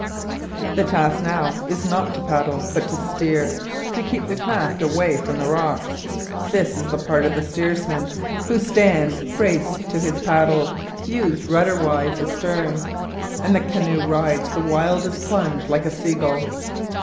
The task now is not to paddle, but to steer to keep the craft away from the rocks. This is the part of the steersman, who stands braced to his paddle used rudder wise astern; and the canoe rides the wildest plunge like a sea gull.